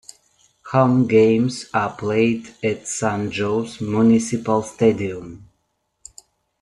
Home games are played at San Jose Municipal Stadium.